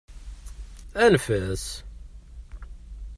Anef-as.